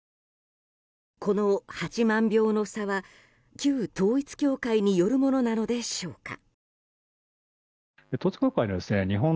この８万票の差は旧統一教会によるものなのでしょうか。